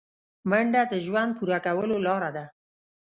منډه د ژوند پوره کولو لاره ده